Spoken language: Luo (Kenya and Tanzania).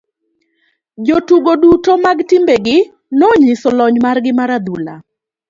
Jotugo duto mag timbe gi nonyiso lony mar gi mar adhula.